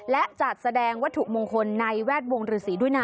และจัดแสดงวัตถุมงคลในแวดวงฤษีด้วยนะ